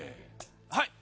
はい！